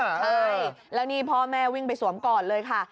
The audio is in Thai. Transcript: ใช่แล้วนี่พ่อแม่วิ่งไปสวมก่อนเลยค่ะ